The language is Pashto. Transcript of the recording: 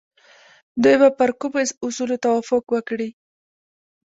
دوی به پر کومو اصولو توافق وکړي؟